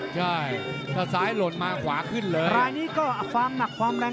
ใช่ถ้าซ้ายหล่นมาขวาขึ้นเลยรายนี้ก็ความหนักความแรง